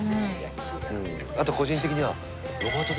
あと個人的には。